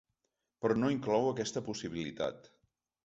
Però no inclou aquesta possibilitat.